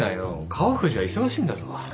川藤は忙しいんだぞ。